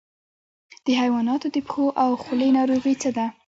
د حیواناتو د پښو او خولې ناروغي څه ده؟